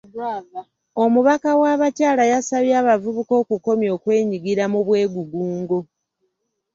Omubaka w'abakyala yasabye abavubuka okukomya okwenyigira mu bwegugungo.